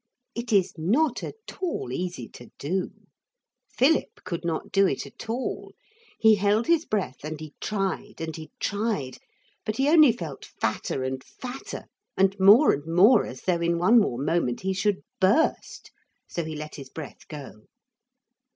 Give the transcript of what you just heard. It is not at all easy to do. Philip could not do it at all. He held his breath and he tried and he tried, but he only felt fatter and fatter and more and more as though in one more moment he should burst. So he let his breath go.